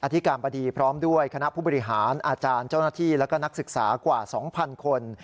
ธิการบดีพร้อมด้วยคณะผู้บริหารอาจารย์เจ้าหน้าที่และก็นักศึกษากว่า๒๐๐คน